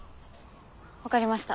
分かりました。